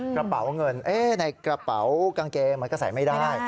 กระเป๋าเงินในกระเป๋ากางเกงมันก็ใส่ไม่ได้